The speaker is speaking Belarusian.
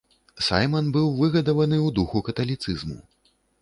Сайман быў выгадаваны ў духу каталіцызму.